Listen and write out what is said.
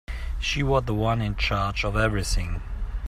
She was the one in charge of everything.